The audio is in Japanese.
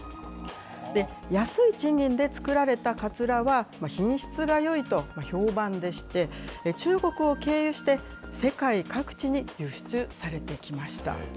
安い賃金で作られたかつらは、品質がよいと評判でして、中国を経由して、世界各地に輸出されてきました。